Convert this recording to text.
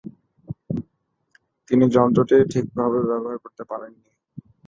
তিনি যন্ত্রটি ঠিক ভাবে ব্যবহার করতে পারেননি।